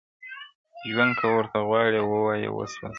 ژوند که ورته غواړې وایه وسوځه -